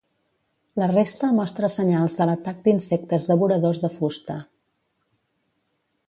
La resta mostra senyals de l'atac d'insectes devoradors de fusta.